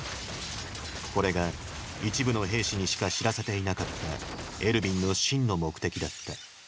これが一部の兵士にしか知らせていなかったエルヴィンの真の目的だった。